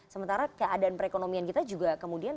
sementara keadaan perekonomian kita juga kemudian